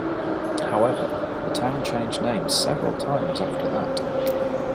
However, the town changed name several times after that.